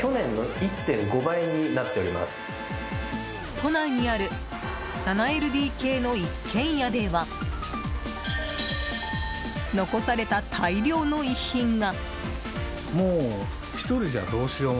都内にある７ＬＤＫの一軒家では残された大量の遺品が。